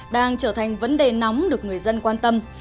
đang trở thành vấn đề nóng được người dân quan tâm